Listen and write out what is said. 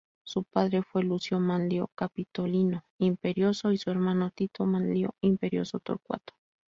Su padre fue Lucio Manlio Capitolino Imperioso y su hermano Tito Manlio Imperioso Torcuato.